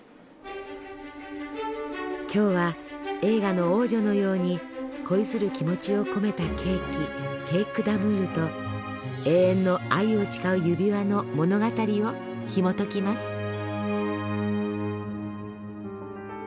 今日は映画の王女のように恋する気持ちを込めたケーキケーク・ダムールと永遠の愛を誓う指輪の物語をひもときます。